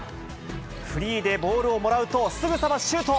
フリーでボールをもらうと、すぐさまシュート。